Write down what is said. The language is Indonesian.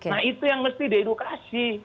nah itu yang mesti diedukasi